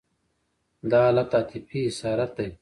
دا حالت عاطفي اسارت دی.